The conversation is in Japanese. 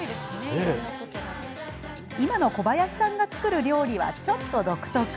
今の小林さんが作る料理はちょっと独特。